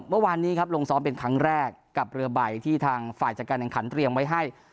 เมื่อวานนี้ครับลงซ้อมเป็นครั้งแรกกับเรือใบที่ทางฝ่ายจัดการแข่งขันเตรียมไว้ให้